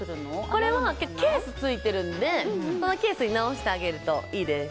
これはケースついてるのでケースに直してあげるといいです。